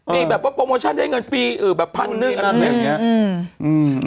มีแบบว่าโปรโมชั่นได้เงินฟรีแบบพันหนึ่งอะไรอย่างนี้